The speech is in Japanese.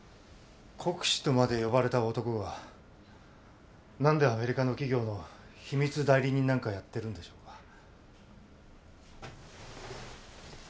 国士とまで呼ばれた男が何でアメリカの企業の秘密代理人なんかやってるんでしょうか。